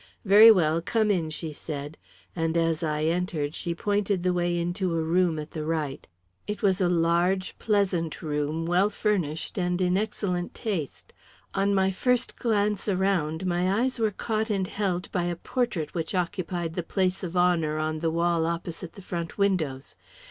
"Very well; come in," she said, and as I entered, she pointed the way into a room at the right. It was a large, pleasant room, well furnished and in excellent taste. On my first glance around, my eyes were caught and held by a portrait which occupied the place of honour on the wall opposite the front windows.